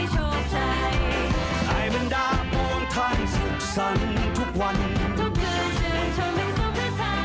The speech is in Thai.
สวัสดีครับ